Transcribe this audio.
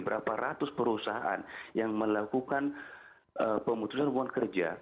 berapa ratus perusahaan yang melakukan pemutusan hubungan kerja